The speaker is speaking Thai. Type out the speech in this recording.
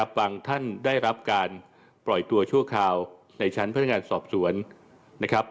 ฟังท่านได้รับการปล่อยตัวชั่วคราวในชั้นพนักงานสอบสวนนะครับ